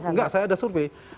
enggak saya ada survei